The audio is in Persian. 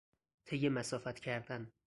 طی مسافت کردن